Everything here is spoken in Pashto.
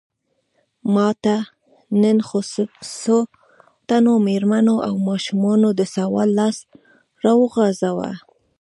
ماته نن څو تنو مېرمنو او ماشومانو د سوال لاس راوغځاوه.